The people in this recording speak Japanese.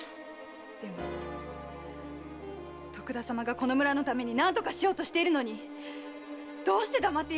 でも徳田様がこの村のために何とかしようとしているのにどうして黙っているのですか？